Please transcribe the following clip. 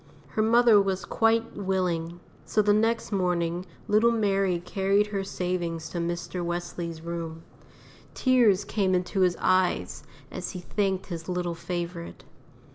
Her mother was quite willing; so the next morning little Mary carried her savings to Mr. Wesley's room. Tears came into his eyes as he thanked his little favourite.